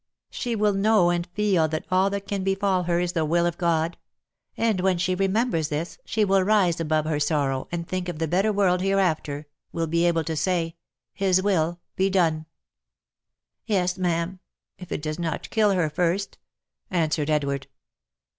She will know and feel that all that can befall her is the will of God ; and when she remembers this, she will rise above her sorrow, and thinking of the better world hereafter, will be able to say, ' His will be done !'"" Yes, ma'am — if it does not kill her first," answered Edward.